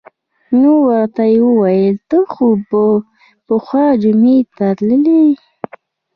نو ورته یې وویل: ته خو به پخوا جمعې ته تللې.